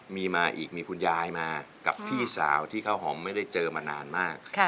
มีมาอีกมีคุณยายมากับพี่สาวที่ข้าวหอมไม่ได้เจอมานานมาก